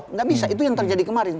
nggak bisa itu yang terjadi kemarin